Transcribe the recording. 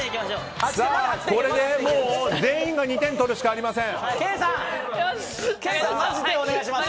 これで全員が２点取るしかありません。